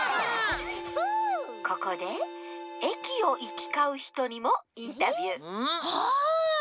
ここでえきをいきかうひとにもインタビューああ！